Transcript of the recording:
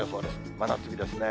真夏日ですね。